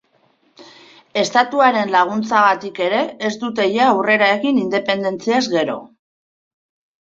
Estatuaren laguntzagatik ere, ez dute ia aurrera egin independentziaz gero.